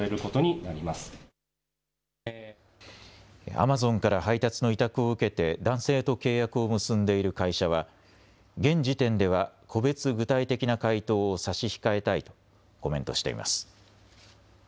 アマゾンから配達の委託を受けて男性と契約を結んでいる会社は現時点では個別具体的な回答を差し控えたいとコメントしています。